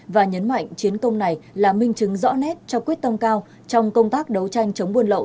và nhấn mạnh chiến công này là minh chứng rõ nét cho quyết tâm cao trong công tác đấu tranh chống buôn lậu